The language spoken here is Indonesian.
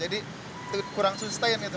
jadi kurang sustain gitu